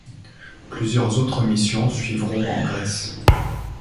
Plusieurs autres missions suivront en Grèce.